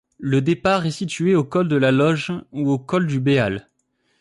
Le départ est situé au col de la Loge ou au col du Béal.